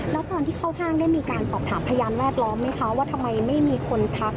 แล้วตอนที่เข้าห้างได้มีการสอบถามพยานแวดล้อมไหมคะว่าทำไมไม่มีคนทัก